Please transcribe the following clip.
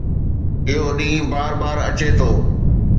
اهو ڏينهن بار بار اچي ٿو